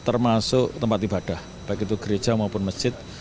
termasuk tempat ibadah baik itu gereja maupun masjid